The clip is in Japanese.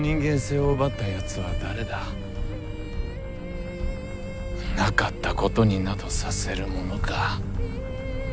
なかったことになどさせるものか。